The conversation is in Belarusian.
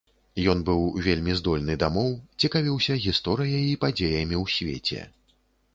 Ён быў вельмі здольны да моў, цікавіўся гісторыяй і падзеямі ў свеце.